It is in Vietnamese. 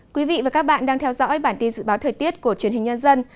quý vị và các bạn đang theo dõi bản tin dự báo thời tiết của truyền hình nhân dân